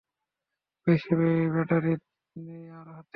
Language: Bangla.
বেশী ব্যাটারি নেই আর হাতে!